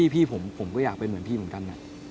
พี่ผมก็อยากเป็นเหมือนพี่เหมือนกัน